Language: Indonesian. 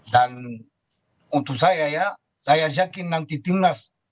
dan untuk saya ya saya yakin nanti tim nas